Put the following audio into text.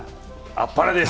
あっぱれです！